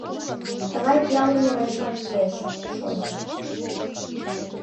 Тыгай пиал ӱмырешлан лиеш, шонышт.